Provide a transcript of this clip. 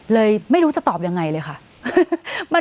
ไม่รู้จะตอบยังไงเลยค่ะ